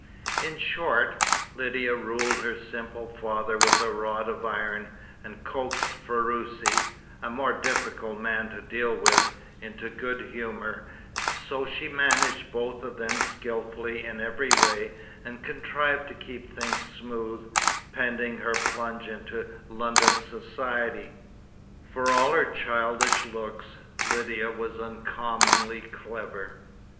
In short, Lydia ruled her simple father with a rod of iron, and coaxed Ferruci a more difficult man to deal with into good humour; so she managed both of them skilfully in every way, and contrived to keep things smooth, pending her plunge into London society. For all her childish looks, Lydia was uncommonly clever.